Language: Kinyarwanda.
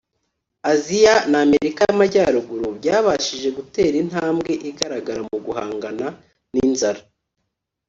Asia n’Amerika y’Amajyaruguru byabashije gutera intambwe igaragara mu guhangana n’inzara